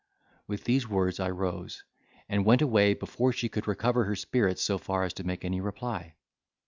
With these words I rose, and went away before she could recover her spirits so far as to make any reply.